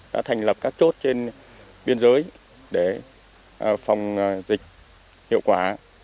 đã thành lập các chốt trên biên giới để phòng dịch hiệu quả